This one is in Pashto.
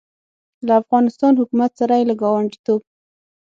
له افغان حکومت سره یې له ګاونډیتوب